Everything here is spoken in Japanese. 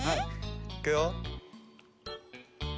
いくよ。